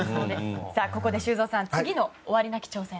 ここで修造さん次の終わりなき挑戦。